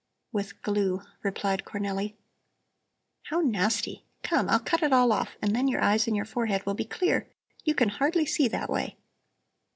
"With glue," replied Cornelli. "How nasty! Come, I'll cut it all off, and then your eyes and your forehead will be clear. You can hardly see that way."